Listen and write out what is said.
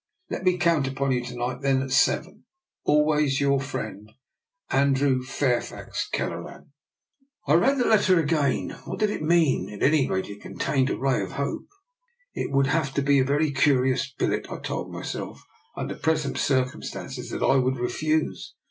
Let me count upon you to night, then, at seven. " Always your friend, " Andrew Fairfax Kelleran." I read the letter again. What did it mean? At any rate, it contained a ray of hope. It would have to be a very curious billet, I told myself, under present circum stances, that I would refuse.